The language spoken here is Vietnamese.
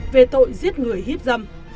về tội giết người hiếp dâm